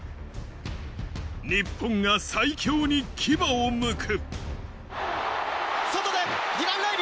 日本が最強に牙をむく。